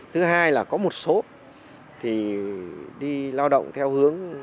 thứ hai là có một số thì đi lao động theo hướng